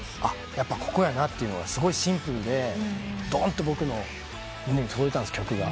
「やっぱここやな」というのがすごいシンプルでどんと僕の胸に届いたんです曲が。